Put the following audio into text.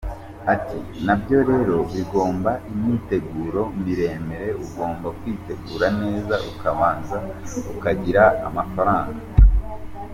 Ati “Nabyo rero bigomba imyiteguro miremire, ugomba kwitegura neza, ukabanza ukagira amafaranga.